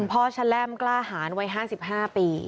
คุณพ่อชะแร่มกล้าหารวัย๕๕ปี